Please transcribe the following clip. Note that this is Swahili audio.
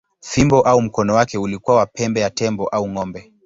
Fimbo au mkono wake ulikuwa wa pembe ya tembo au ng’ombe.